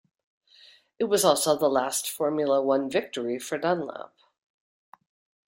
It was also the last Formula One victory for Dunlop.